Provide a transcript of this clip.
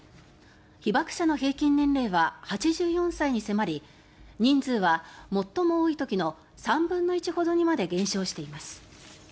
被爆者の平均年齢は８４歳に迫り人数は最も多い時の３分の１ほどにまで減少しています。